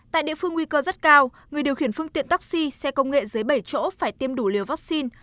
tại địa phương nguy cơ rất cao người điều khiển phương tiện taxi xe công nghệ dưới bảy chỗ phải tiêm đủ liều vaccine